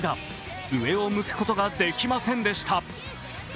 上を向くことができませんでした。